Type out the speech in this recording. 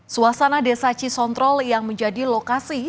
suasana desa cisontrol yang menjadi lokasi